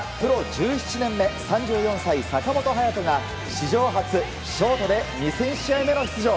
１７年目３４歳、坂本勇人が史上初、ショートで２０００試合目の出場。